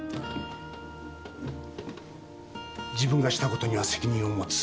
自分がしたことには責任を持つ。